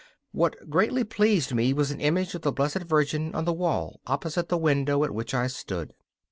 What greatly pleased me was an image of the Blessed Virgin on the wall opposite the window at which I stood.